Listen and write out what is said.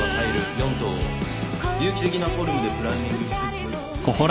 ４棟を有機的なフォルムでプランニングしつつ。